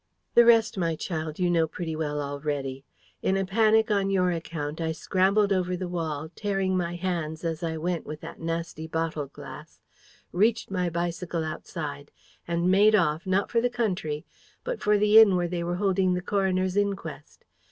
"The rest, my child, you know pretty well already. In a panic on your account, I scrambled over the wall, tearing my hands as I went with that nasty bottle glass, reached my bicycle outside, and made off, not for the country, but for the inn where they were holding the coroner's inquest.